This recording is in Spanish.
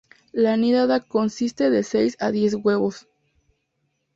La nidada consiste de seis a diez huevos.